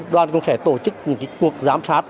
đoàn cũng sẽ tổ chức những cuộc giám sát